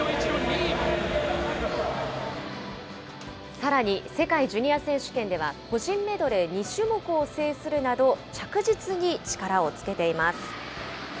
さらに、世界ジュニア選手権では、個人メドレー２種目を制するなど、着実に力をつけています。